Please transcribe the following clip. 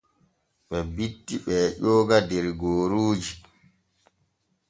Ɓe bitti ɓee ƴooga der gooruuji.